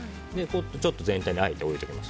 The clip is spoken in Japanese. ちょっと全体にあえて置いておきます。